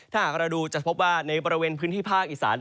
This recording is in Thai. ถ้าหากเราดูจะพบว่าในบริเวณพื้นที่ภาคอีสาน